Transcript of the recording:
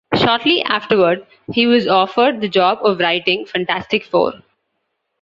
Shortly afterward, he was offered the job of writing "Fantastic Four".